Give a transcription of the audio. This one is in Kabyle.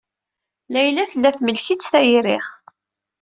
Layla tella temlek-itt tayri.